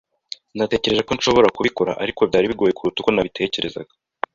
Natekereje ko nshobora kubikora, ariko byari bigoye kuruta uko nabitekerezaga.